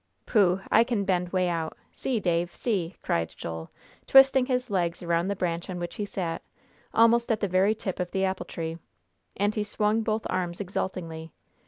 "Pooh! I can bend way out. See, Dave! See!" cried Joel, twisting his legs around the branch on which he sat, almost at the very tip of the apple tree, and he swung both arms exultingly.